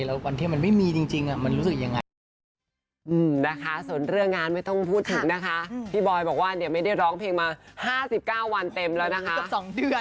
แล้ววันที่มันไม่มีจริงมันรู้สึกยังไง